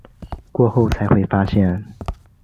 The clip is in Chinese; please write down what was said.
过后才会发现